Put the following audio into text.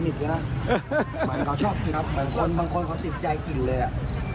เหมือนเขาชอบที่ครับบางคนบางคนเขาติดใจกลิ่นเลยโอ้ย